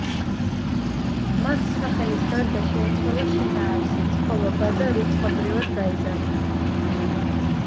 მას სახელის გარდა შეეცვალა შინაარსიც, ხოლო ბაზა რიცხობრივად გაიზარდა.